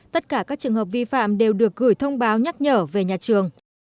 tất cả các trường hợp vi phạm đều được gửi thông báo nhắc nhở về nhà trường